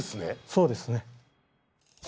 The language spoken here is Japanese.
そうですね。